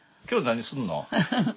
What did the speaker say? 今日何するの？